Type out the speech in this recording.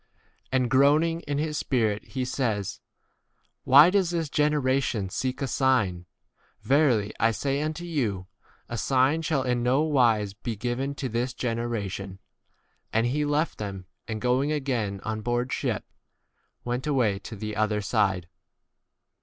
And groaning r in his spirit he says, Why does this generation seek a sign ? Verily I say unto you, A sign 5 shall in no wise be given to this generation. 18 And he left them, and going again on board 1 ship, went away to the other side.